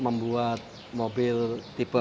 membuat mobil tipe